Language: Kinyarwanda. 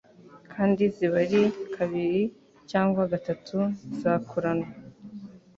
kandi ziba ari kabiri cyangwa gatatu zakuranwa.